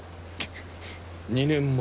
２年前。